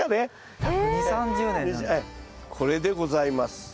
これでございます。